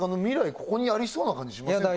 ここにありそうな感じしませんか？